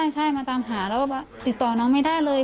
ใช่มาตามหาแล้วก็ติดต่อน้องไม่ได้เลย